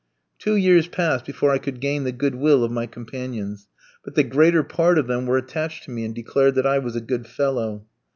Two years passed before I could gain the good will of my companions; but the greater part of them were attached to me, and declared that I was a good fellow.